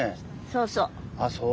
そうそう。